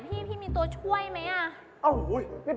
เดี๋ยวก็นั่งได้ควร๔๐อันอีก